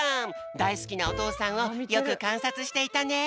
だいすきなおとうさんをよくかんさつしていたね。